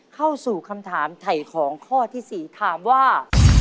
เข้าสู่คำถามไถ่ของข้อที่๔ถามว่า